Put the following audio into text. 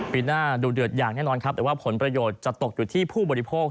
ปีหน้าดูเดือดอย่างแน่นอนครับแต่ว่าผลประโยชน์จะตกอยู่ที่ผู้บริโภค